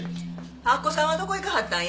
「明子さんはどこ行かはったんや」？